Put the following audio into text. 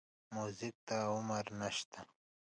موزیک ته عمر نه شته.